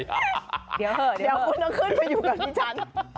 เดี๋ยวคุณต้องขึ้นไปอยู่กับดิฉัน